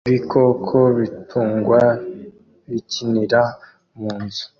Ibikoko bitungwa bikinira mu nzu